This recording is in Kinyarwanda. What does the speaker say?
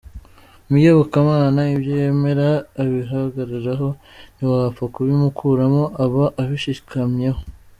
Mu iyobokamana ibyo yemera abihagararaho, ntiwapfa kubimukuramo aba abishikamyemo.